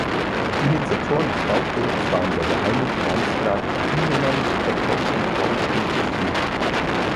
Initiatoren des Bauprojekts waren der Geheime Finanzrat Kühnemann und der Kaufmann Paul Pinkus Munk.